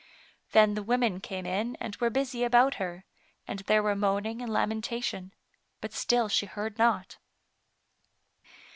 Then the women came in and were busy about her, and there were moaning and lamentation, but still she heard not.